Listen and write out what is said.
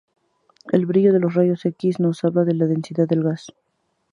El brillo de los rayos X nos habla de la densidad del gas.